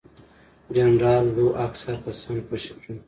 جنرال لو اکثر کسان خوشي کړل.